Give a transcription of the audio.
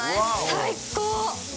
最高。